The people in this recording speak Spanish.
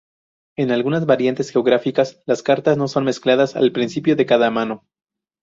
En algunas variantes geográficas, las cartas no son mezcladas al principio de cada mano.